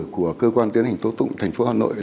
của cơ quan tiến hành tố tụng thành phố hà nội